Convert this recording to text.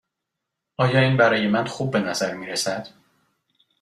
آیا این برای من خوب به نظر می رسد؟